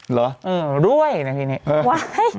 เหรอเออเรื่อยนะทีเนี้ยไว้